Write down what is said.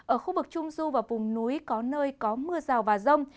ở khu vực trung du và vùng núi có nơi có mưa rào và rông